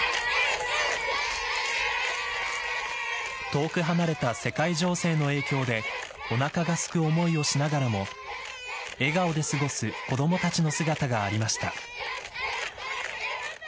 遠く離れた世界情勢の影響でおなかがすく思いをしながらも笑顔で過ごす子どもたちの姿がありました。